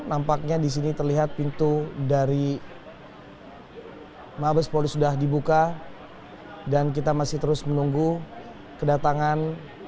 nampaknya di sini terlihat pintu dari mabes polri sudah dibuka dan kita masih terus menunggu kedatangan